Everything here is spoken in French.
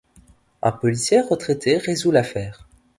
Un policier retraité résout l'affaire.